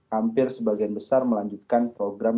hampir sebagian besar melanjutkan program